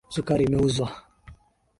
Sukari imeuzwa.